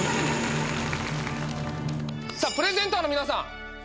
さあプレゼンターの皆さん